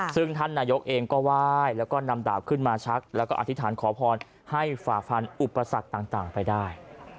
ซึ่งท่านนายกเองก็ไหว้แล้วก็นำดาบขึ้นมาชักแล้วก็อธิษฐานขอพรให้ฝ่าฟันอุปสรรคต่างไปได้